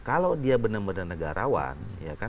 kalau dia benar benar negarawan